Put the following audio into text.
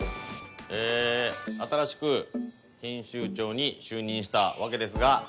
え新しく編集長に就任したわけですが。